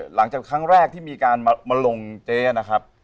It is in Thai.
หลังจากครั้งแรกที่มีการมาลงเจ๊นะครับ